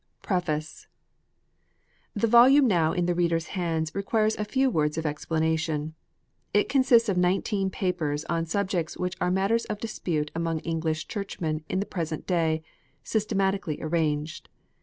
PREFACE. THE volume now in the reader s hands requires a few words of explanation. It consists of nineteen papers on subjects which are matters of dispute among English Churchmen in the present day, systematically arranged.